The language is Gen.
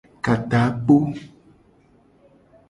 Ka takpo.